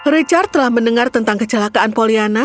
richard telah mendengar tentang kecelakaan poliana